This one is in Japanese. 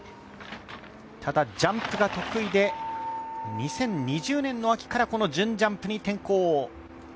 ただジャンプが得意で、２０２０年の秋からこの準ジャンプに転向。